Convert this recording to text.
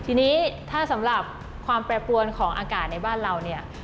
ทีนี้ถ้าสำหรับความแปรปวนของอากาศในบ้านเราเนี่ย